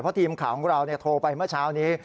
เพราะทีมข่าวของเราโทรไปเมื่อเช้านี้